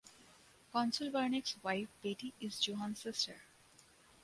Consul Bernick’s wife Betty is Johann’s sister.